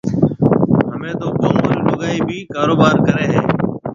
ھميَ گومون رَي لوگائيَ ڀِي ڪاروبار ڪرَي ھيََََ